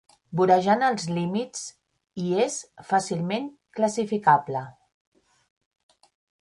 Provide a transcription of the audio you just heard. Vorejant els límits', i és fàcilment classificable.